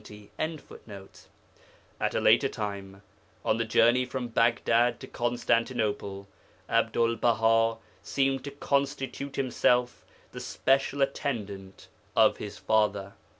] At a later time on the journey from Baghdad to Constantinople Abdul Baha seemed to constitute himself the special attendant of his father.